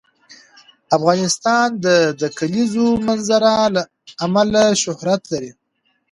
افغانستان د د کلیزو منظره له امله شهرت لري.